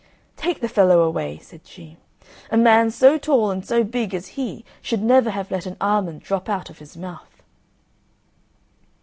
"Take the fellow away," said she; "a man so tall and so big as he should never have let an almond drop out of his mouth."